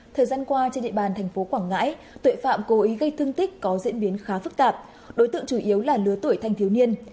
thời gian qua trên địa bàn thành phố quảng ngãi tội phạm cố ý gây thương tích có diễn biến khá phức tạp đối tượng chủ yếu là lứa tuổi thanh thiếu niên